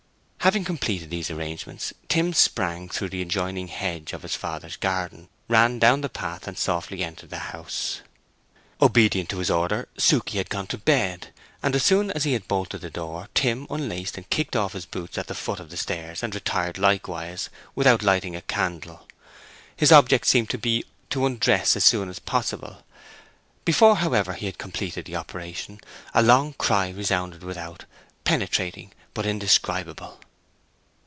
Having completed these arrangements, Tim sprang through the adjoining hedge of his father's garden, ran down the path, and softly entered the house. Obedient to his order, Suke had gone to bed; and as soon as he had bolted the door, Tim unlaced and kicked off his boots at the foot of the stairs, and retired likewise, without lighting a candle. His object seemed to be to undress as soon as possible. Before, however, he had completed the operation, a long cry resounded without—penetrating, but indescribable.